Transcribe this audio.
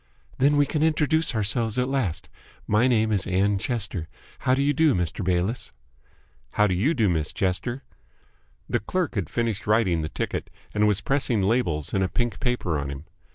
"Then we can introduce ourselves at last. My name is Ann Chester. How do you do, Mr. Bayliss?" "How do you do, Miss Chester?" The clerk had finished writing the ticket, and was pressing labels and a pink paper on him.